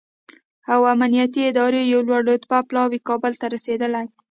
او امنیتي ادارو یو لوړ رتبه پلاوی کابل ته رسېدلی